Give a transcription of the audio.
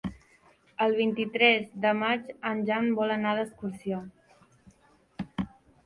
El vint-i-tres de maig en Jan vol anar d'excursió.